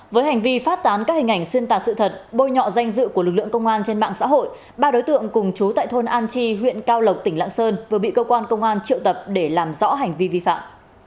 với hành vi phát tán các hình ảnh xuyên tạc sự thật bôi nhọ danh dự của lực lượng công an trên mạng xã hội ba đối tượng cùng chú tại thôn an tri huyện cao lộc tỉnh lạng sơn vừa bị cơ quan công an triệu tập để làm rõ hành vi vi phạm